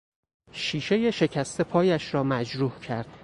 شیشهی شکسته پایش را مجروح کرد.